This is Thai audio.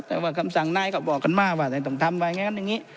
แต่ว่าคำสั่งน้ายก็บอกกันมากว่าแต่ต้องทำไปอย่างนี้